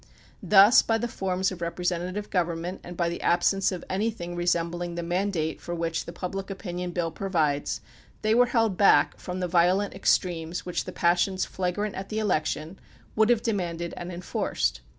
Thus, by the forms of representa tive government and by the absence of anything re sembling the mandate for which the Public Opinion Bill provides, they were held back from the violent extremes which the passions flagrant at the election would have demanded and enforced.